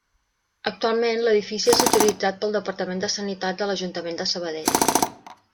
Actualment l'edifici és utilitzat pel Departament de Sanitat de l'Ajuntament de Sabadell.